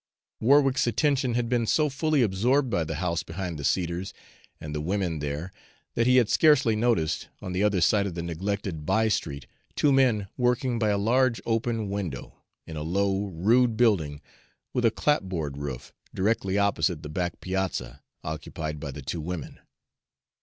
Warwick's attention had been so fully absorbed by the house behind the cedars and the women there, that he had scarcely noticed, on the other side of the neglected by street, two men working by a large open window, in a low, rude building with a clapboarded roof, directly opposite the back piazza occupied by the two women.